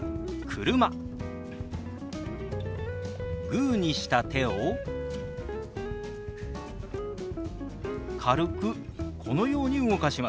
グーにした手を軽くこのように動かします。